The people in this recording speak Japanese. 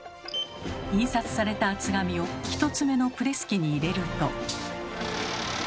印刷された厚紙を１つ目のプレス機に入れると。